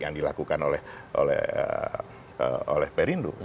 yang dilakukan oleh masyarakat